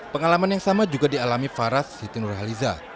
pengalaman yang sama juga dialami faras siti nurhaliza